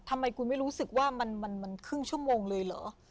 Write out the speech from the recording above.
ทำไมกูไม่รู้สึกว่ามันครึ่งชั่วโมงเลยเหรอ